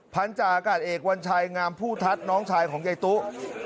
พันธาอากาศเอกวัญชัยงามผู้ทัศน์น้องชายของยายตุ